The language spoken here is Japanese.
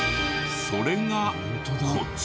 それがこちら。